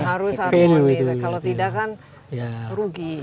dan harus ada modal itu kalau tidak kan rugi